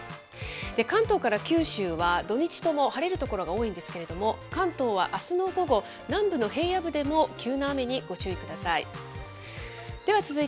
関東から九州は、土日とも晴れる所が多いんですけれども、関東はあすの午後、南部の平野部でも急な雨にご注意ください。